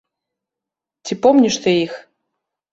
Ці помніш ты іх?